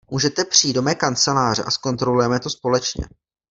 Můžete přijít do mé kanceláře a zkontrolujeme to společně.